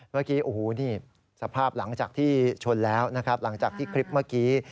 เมื่อกี้โอ้โหนี่สภาพหลังจากที่ชนแล้วนะครับหลังจากที่คลิปเมื่อกี้